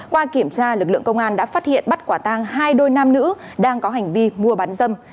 qua kiểm tra lực lượng công an đã phát hiện bắt quả tang hai đôi nam nữ đang có hành vi mua bán dâm